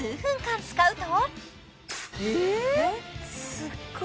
すっごい